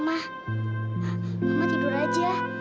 mama tidur aja